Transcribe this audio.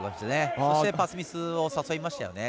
そして、パスミスを誘いましたよね。